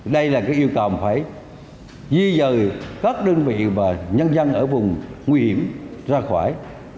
đây là yêu cầu phải di dời các đơn vị và nhân dân ở vùng nguy hiểm ra khỏi